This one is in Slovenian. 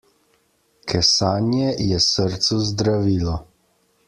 Kesanje je srcu zdravilo.